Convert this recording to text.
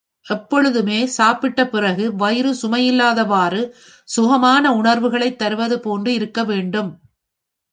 எப்பொழுதுமே சாப்பிட்ட பிறகு, வயிறு சுமையில்லாதவாறு, சுகமான உணர்வுகளைத் தருவது போன்று இருக்க வேண்டும்.